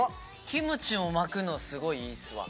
キムチを巻くのすごいいいっすわ。